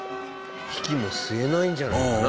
息も吸えないんじゃないかな。